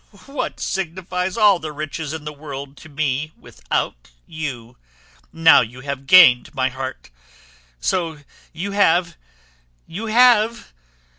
What signifies all the riches in the world to me without you, now you have gained my heart, so you have you have